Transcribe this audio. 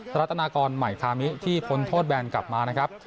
รัฐนากรใหม่ทามิที่พ้นโทษแบนกลับมานะครับ